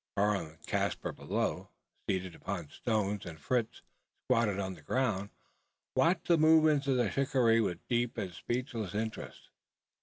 Karl and Caspar below, seated upon stones, and Fritz squatted on the ground, watched the movements of the shikaree with deep and speechless interest.